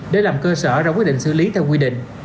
để làm cơ sở ra quyết định xử lý theo quy định